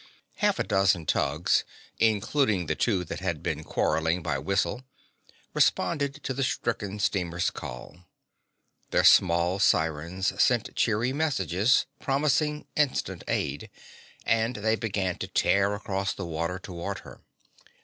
_" Half a dozen tugs, including the two that had been quarreling by whistle, responded to the stricken steamer's call. Their small sirens sent cheery messages promising instant aid, and they began to tear across the water toward her.